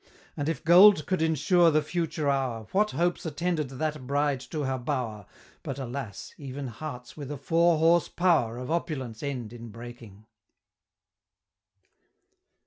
And if gold could ensure the future hour, What hopes attended that Bride to her bow'r, But alas! even hearts with a four horse pow'r Of opulence end in breaking!